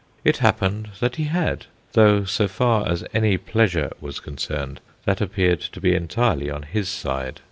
It happened that he had, though so far as any pleasure was concerned that appeared to be entirely on his side.